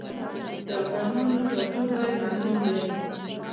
د افغانانو ټاټوبی معلوم دی.